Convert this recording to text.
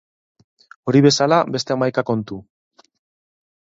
Hori bezala beste hamaika kontu.